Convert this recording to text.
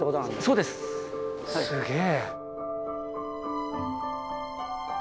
すげえ。